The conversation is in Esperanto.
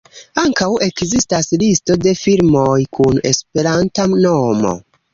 Ankaŭ ekzistas Listo de Filmoj kun esperanta nomo.